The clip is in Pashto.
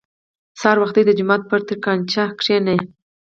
سهار وختي د جومات پر تنګاچه کښېني.